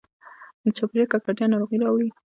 د چاپېریال ککړتیا ناروغي راوړي.